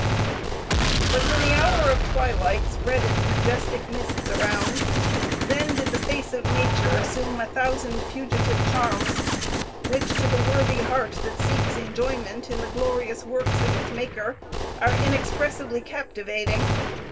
But when the hour of twilight spread its majestic mists around, then did the face of nature assume a thousand fugitive charms, which to the worthy heart that seeks enjoyment in the glorious works of its Maker are inexpressibly captivating.